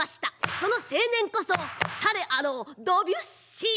その青年こそ誰あろうドビュッシー。